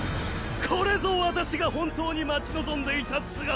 これぞ私が本当に待ち望んでいた姿。